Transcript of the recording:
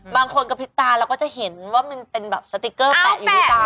บางคนกระพริบตาเราก็จะเห็นว่ามันเป็นแบบสติ๊กเกอร์แปะอยู่ที่ตา